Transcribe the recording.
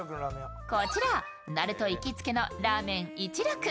こちらナルト行きつけのラーメン一楽。